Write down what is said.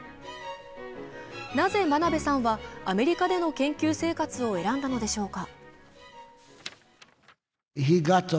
なぜ真鍋さんはアメリカでの研究生活を選んだのでしょうか。